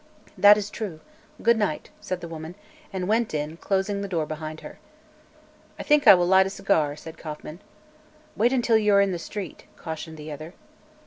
"That is true. Good night," said the woman, and went in, closing the door behind her. "I think I will light a cigar," said Kauffman. "Wait until you are in the street," cautioned the other.